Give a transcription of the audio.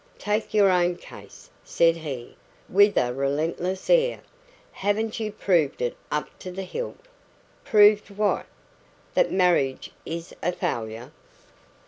"Take your own case," said he, with a relentless air. "Haven't you proved it up to the hilt?" "Proved what?" "That marriage is a failure."